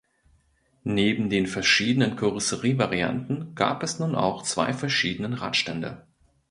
Neben den verschiedenen Karosserievarianten gab es nun auch zwei verschiedenen Radstände.